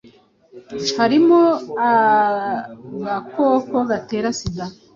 harimo agakoko gatera sida,